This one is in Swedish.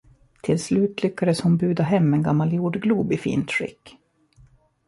Till slut lyckades hon buda hem en gammal jordglob i fint skick.